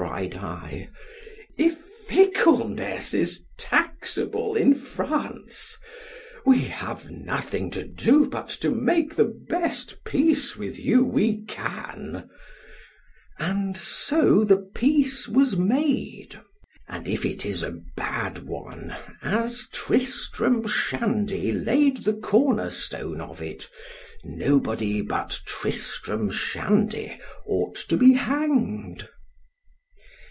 cried I—if fickleness is taxable in France—we have nothing to do but to make the best peace with you we can—— AND SO THE PEACE WAS MADE; ——And if it is a bad one—as Tristram Shandy laid the corner stone of it—nobody but Tristram Shandy ought to be hanged.